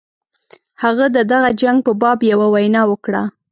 هغه د دغه جنګ په باب یوه وینا وکړه.